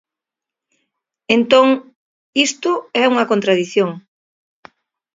Entón, isto é unha contradición.